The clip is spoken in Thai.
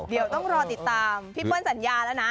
เดี๋ยวต้องรอติดตามพี่เปิ้ลสัญญาแล้วนะ